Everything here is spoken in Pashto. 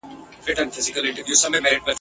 د جګړې په ډګر کي ځیني خلک ټپیان سول.